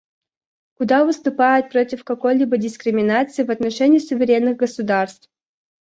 Куба выступает против какой-либо дискриминации в отношении суверенных государств.